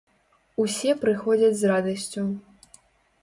Усе прыходзяць з радасцю.